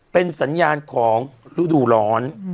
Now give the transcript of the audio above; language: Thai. เป็นสัญญาณของฤดูร้อน